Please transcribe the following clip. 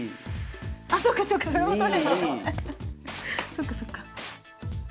そっかそっか。